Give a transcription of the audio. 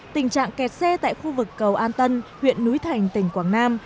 tình trạng kẹt xe tại khu vực cầu an tân huyện núi thành tỉnh quảng nam